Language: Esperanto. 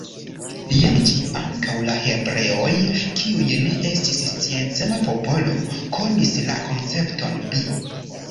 Jen ĝi: Ankaŭ la hebreoj, kiuj ne estis sciencema popolo, konis la koncepton pi.